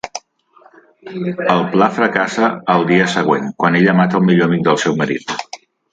El pla fracassa el dia següent quan ella mata el millor amic del seu marit.